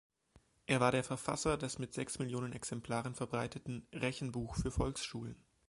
Er war der Verfasser des mit sechs Millionen Exemplaren verbreiteten "Rechenbuch für Volksschulen".